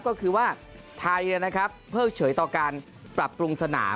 ก็คือว่าไทยนะครับเพิ่งเฉยต่อการปรับปรุงสนาม